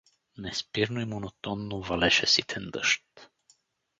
Неспирно и монотонно валеше ситен дъжд.